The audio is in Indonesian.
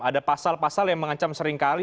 ada pasal pasal yang mengancam seringkali